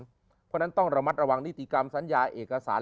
เพราะฉะนั้นต้องระมัดระวังนิติกรรมสัญญาเอกสาร